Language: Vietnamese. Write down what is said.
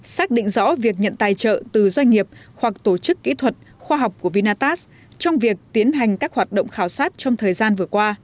xác định rõ việc nhận tài trợ từ doanh nghiệp hoặc tổ chức kỹ thuật khoa học của vinatast trong việc tiến hành các hoạt động khảo sát trong thời gian vừa qua